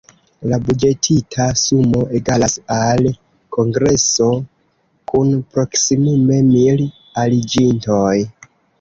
La buĝetita sumo egalas al kongreso kun proksimume mil aliĝintoj.